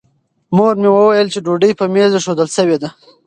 مور مې وویل چې ډوډۍ په مېز ایښودل شوې ده.